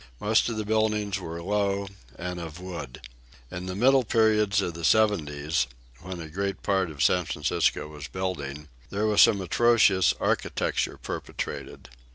Most of the buildings were low and of wood. In the middle period of the 70's, when a great part of San Francisco was building, there was some atrocious architecture perpetrated.